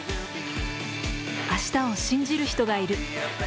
明日を信じる人がいる。